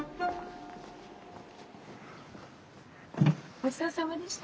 ごちそうさまでした。